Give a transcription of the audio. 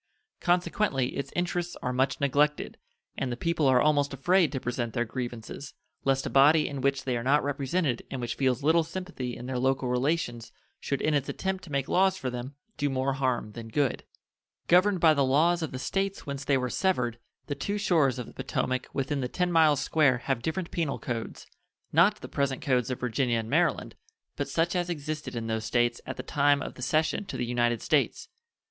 Consequently its interests are much neglected, and the people are almost afraid to present their grievances, lest a body in which they are not represented and which feels little sympathy in their local relations should in its attempt to make laws for them do more harm than good. Governed by the laws of the States whence they were severed, the two shores of the Potomac within the ten miles square have different penal codes not the present codes of Virginia and Maryland, but such as existed in those States at the time of the cession to the United States.